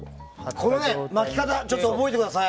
これ巻き方覚えてください。